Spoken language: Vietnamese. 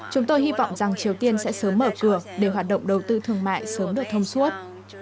chúng tôi hy vọng rằng triều tiên sẽ sớm mở cửa để hoạt động đầu tư thương mại sớm được thông suốt